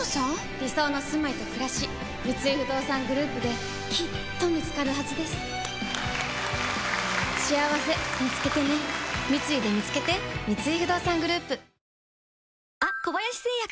理想のすまいとくらし三井不動産グループできっと見つかるはずですしあわせみつけてね三井でみつけて「ない！ない！残ってない！」